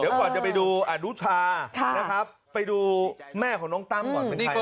เดี๋ยวก่อนจะไปดูอนุชานะครับไปดูแม่ของน้องตั้มก่อนเป็นใคร